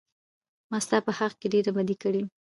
ما ستا په حق کې ډېره بدي کړى.